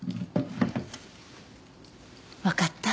わかった？